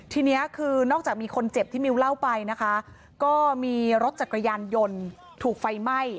ทีนี้คือนอกจากมีคนเจ็บที่มิวเล่าไปนะคะก็มีรถจักรยานยนต์ถูกไฟไหม้